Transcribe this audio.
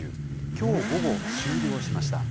きょう午後、終了しました。